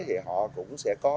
thì họ cũng sẽ có